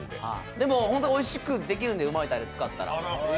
でも本当においしくできますんでうまいたれ使ったら。